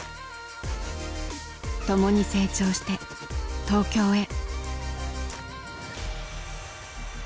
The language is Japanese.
「共に成長して東京へ」。